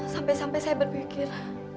sampai sampai saya berpikir